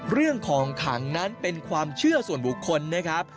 เรื่องของขังนั้นเป็นความเชื่อส่วนบุคคลนะครับ